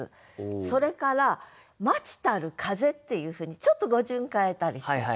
それから「待ちたる風」っていうふうにちょっと語順変えたりしてる。